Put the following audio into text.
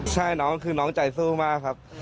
ใช่น้องคือน้องใจสู้มากครับ